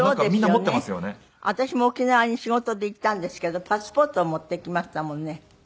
私も沖縄に仕事で行ったんですけどパスポートを持っていきましたもんね。